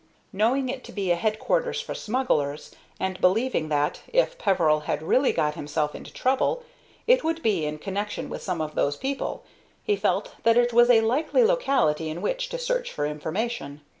Knowing it to be a headquarters for smugglers, and believing that, if Peveril had really got himself into trouble, it would be in connection with some of those people, he felt that it was a likely locality in which to search for information.